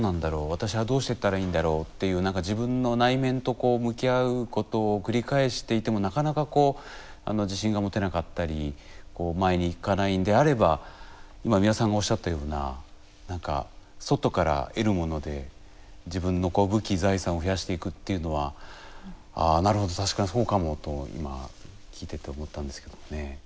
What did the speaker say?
私はどうしていったらいいんだろうっていう何か自分の内面とこう向き合うことを繰り返していてもなかなかこう自信が持てなかったりこう前にいかないんであれば今美輪さんがおっしゃったような何か外から得るもので自分のご武器財産を増やしていくっていうのはああなるほど確かにそうかもと今聞いてて思ったんですけどもね。